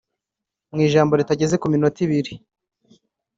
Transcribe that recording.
Mu ijambo ritageze ku minota ibiri